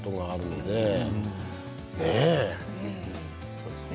そうですね。